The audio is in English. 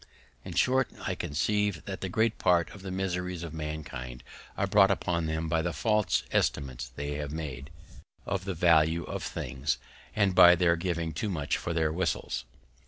In short, I conceive that great part of the miseries of mankind are brought upon them by the false estimates they have made of the value of things, and by their giving too much for their whistles.